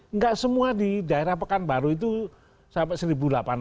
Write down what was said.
nggak semua di daerah pekanbaru itu sampai seribu delapan ratus